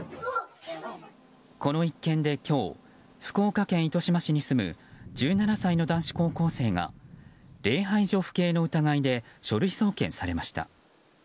この一件で今日、福岡県糸島市に住む１７歳の男子高校生が礼拝所不敬の疑いで書類送検されました。